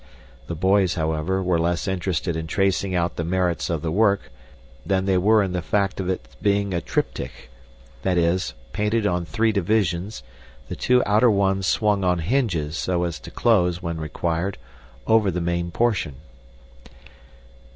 The boys, however, were less interested in tracing out the merits of the work than they were in the fact of its being a triptych that is, painted on three divisions, the two outer ones swung on hinges so as to close, when required, over the main portion.